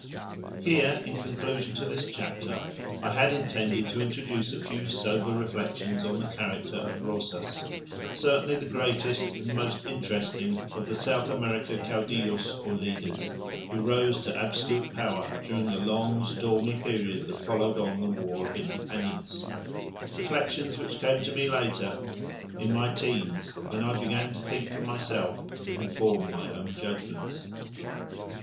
Here, in conclusion to this chapter, I had intended to introduce a few sober reflections on the character of Rosas certainly the greatest and most interesting of all the South America Caudillos, or leaders, who rose to absolute power during the long stormy period that followed on the war of independence reflections which came to me later, in my teens, when I began to think for myself and form my own judgments.